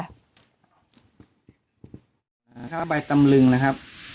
่ะครับใบตำรึงนะครับ